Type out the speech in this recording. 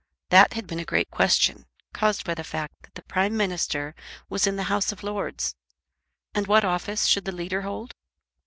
That had been a great question, caused by the fact that the Prime Minister was in the House of Lords; and what office should the Leader hold?